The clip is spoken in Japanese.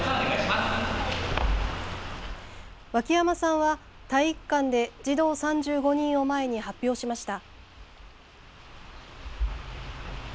脇山さんは、体育館で児童３５人を前に発表しました。